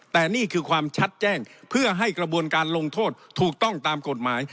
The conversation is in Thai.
แต่นี่คือความชัดแจ้งเพื่อให้กระบวนการลงโทษถูกต้องตามกฎหมาย